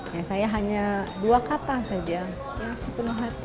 ya saya hanya dua kata saja yang sepenuh hati